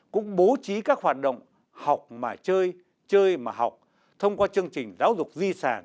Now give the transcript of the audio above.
cũng bố trí các hoạt động học mà chơi chơi mà học thông qua chương trình giáo dục di sản